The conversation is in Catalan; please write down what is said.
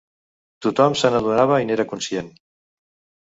Tothom se n'adonava i n'era conscient